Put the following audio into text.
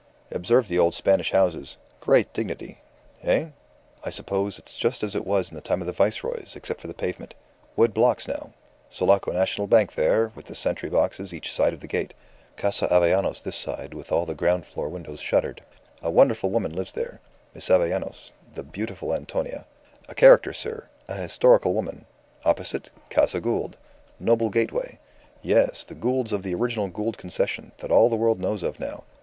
Observe the old Spanish houses. Great dignity. Eh? I suppose it's just as it was in the time of the Viceroys, except for the pavement. Wood blocks now. Sulaco National Bank there, with the sentry boxes each side of the gate. Casa Avellanos this side, with all the ground floor windows shuttered. A wonderful woman lives there Miss Avellanos the beautiful Antonia. A character, sir! A historical woman! Opposite Casa Gould. Noble gateway. Yes, the Goulds of the original Gould Concession, that all the world knows of now.